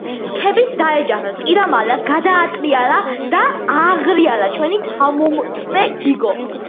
რქებით დაეჯახა, ყირამალა გადაატრიალა და ააღრიალა ჩვენი თავმომწონე გიგო.